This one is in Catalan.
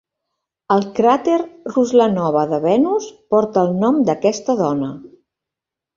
El cràter Ruslanova de Venus porta el nom d'aquesta dona.